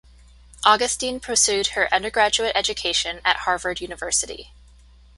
Augustine pursued her undergraduate education at Harvard University.